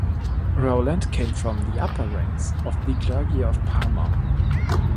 Roland came from the upper ranks of the clergy of Parma.